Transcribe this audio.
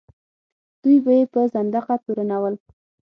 دوی به یې په زندقه تورنول.